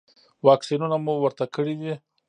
واکسینونه مو ورته کړي دي؟